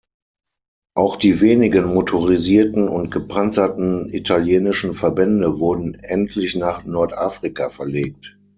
Auch die wenigen motorisierten und gepanzerten italienischen Verbände wurden endlich nach Nordafrika verlegt.